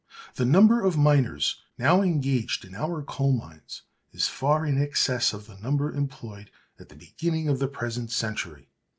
The number of miners now engaged in our coal mines is far in excess of the number employed at the beginning of the present century.